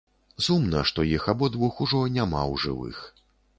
Сумна, што іх абодвух ужо няма ў жывых.